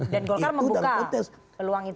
dan golkar membuka peluang itu